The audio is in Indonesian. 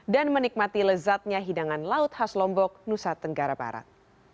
dan menikmati lezatnya hidangan laut khas lombok nusa tenggara barat